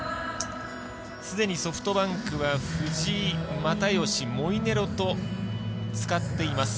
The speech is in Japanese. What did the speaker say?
すでにソフトバンクは藤井、又吉、モイネロと使っています。